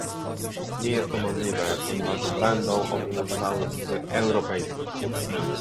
Nie jest to możliwe, ponieważ będą obowiązywały zasady europejskie